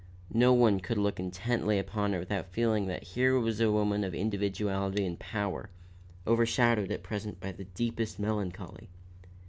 No one could look intently upon her without feeling that here was a woman of individuality and power, overshadowed at present by the deepest melancholy.